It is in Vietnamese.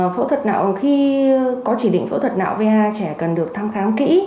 phẫu thuật nạo khi có chỉ định phẫu thuật nạo va trẻ cần được thăm khám kỹ